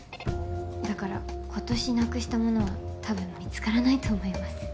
だから今年なくした物はたぶん見つからないと思います。